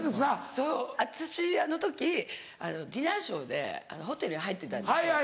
そう私あの時ディナーショーでホテルに入ってたんですけど。